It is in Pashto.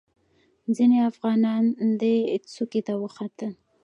ځینې افغانان دې څوکې ته وختل.